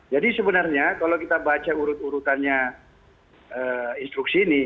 jadi sebenarnya kalau kita baca urut urutannya instruksi ini